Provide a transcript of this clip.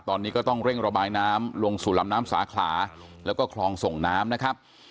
ตอนนี้ก็ต้องเร่งระบายน้ำลงสู่ลำน้ำสาขลาแล้วก็คลองส่งน้ำนะครับ